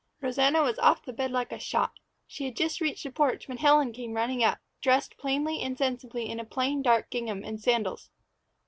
Rosanna was off the bed like a shot. She had just reached the porch when Helen came running up, dressed plainly and sensibly in a plain dark gingham and sandals.